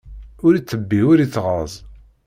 Ur ittebbi ur ittɣeẓẓ.